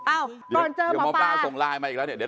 อ้าวก่อนเจอหมอป้าเดี๋ยวหมอป้าส่งไลน์มาอีกแล้วเนี่ย